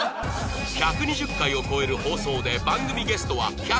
１２０回を超える放送で番組ゲストは１５０人以上